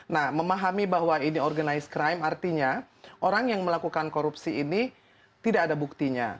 nah memahami bahwa ini organized crime artinya orang yang melakukan korupsi ini tidak ada buktinya